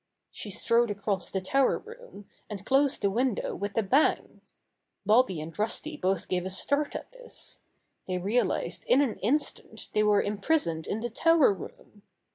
She strode across the tower room, and closed the window with a bang. Bobby and Rusty both gave a start at this. They realized in an instant they were imprisoned in the tower room.